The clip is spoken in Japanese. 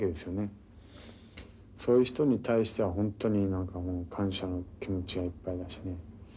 そういう人に対しては本当に感謝の気持ちがいっぱいだしね。